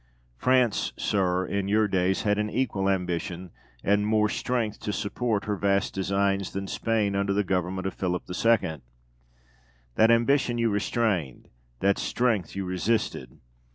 France, sir, in your days had an equal ambition and more strength to support her vast designs than Spain under the government of Philip II. That ambition you restrained, that strength you resisted.